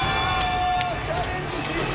チャレンジ失敗！